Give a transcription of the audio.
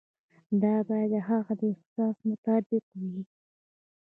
دا باید د هغه د احساس مطابق وي.